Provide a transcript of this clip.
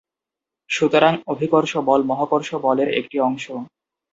সুতরাং অভিকর্ষ বল মহাকর্ষ বলের একটি অংশ।